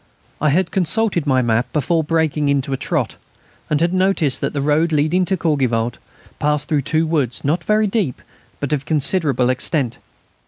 I had consulted my map before breaking into a trot, and had noticed that the road leading to Courgivault passed through two woods, not very deep, but of considerable extent.